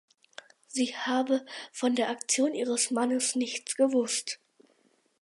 Sie habe von der Aktion ihres Mannes nichts gewusst.